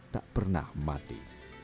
tak pernah mati